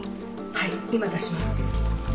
はい今出します。